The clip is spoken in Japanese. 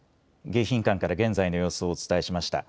迎賓館から現在の様子をお伝えしました。